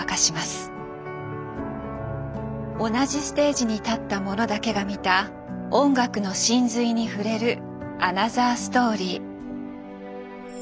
同じステージに立った者だけが見た音楽の神髄に触れるアナザーストーリー。